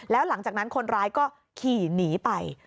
แล้วหลังจากนั้นคนร้ายก็ขี่หนีไป